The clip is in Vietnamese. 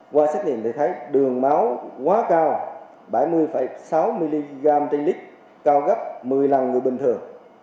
qua xét nghiệm thì thấy đường máu quá cao bảy mươi sáu mg trên lít cao gấp một mươi lần người bình thường